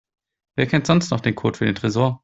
Wer kennt sonst noch den Code für den Tresor?